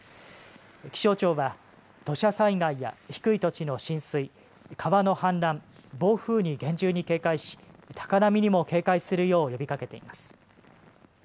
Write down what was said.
気象庁は、土砂災害や低い土地の浸水、川の氾濫、暴風に厳重に警戒し、高波にも警戒するよう呼びかけています。